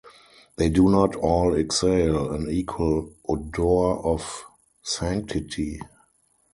They do not all exhale an equal odor of sanctity.